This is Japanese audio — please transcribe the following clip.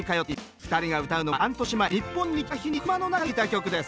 ２人が歌うのは半年前日本に来た日に車の中で聴いた曲です